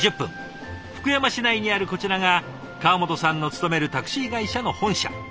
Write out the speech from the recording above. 福山市内にあるこちらが川本さんの勤めるタクシー会社の本社。